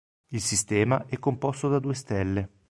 Il sistema è composto da due stelle.